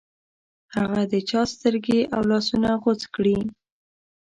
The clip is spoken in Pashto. هغه د چا سترګې او لاسونه غوڅ کړې.